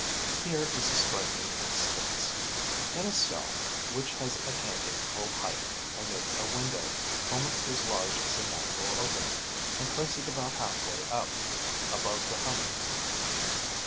Here is a striking instance: in a cell which has attained its full height, I make a window, almost as large as the natural opening, and place it about half way up, above the honey.